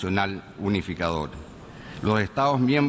ขอบคุณครับ